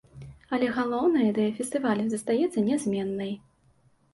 Але галоўная ідэя фестывалю застаецца нязменнай.